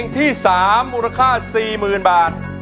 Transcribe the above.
ตามมูลค่า๔๐๐๐๐บาท